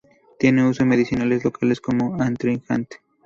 Tiene usos medicinales locales como astringente.